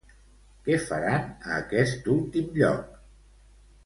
Què faran a aquest últim lloc?